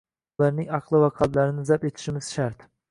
Ularning aqli va qalblarini zabt etishimiz shart